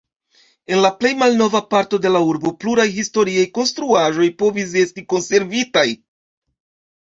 En la plej malnova parto de la urbo pluraj historiaj konstruaĵoj povis esti konservitaj.